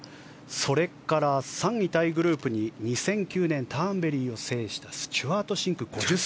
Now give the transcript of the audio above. それから３位タイグループに２００９年ターンベリーを制したスチュワート・シンク。